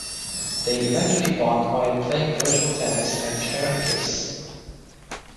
They eventually bond while playing virtual tennis and share a kiss.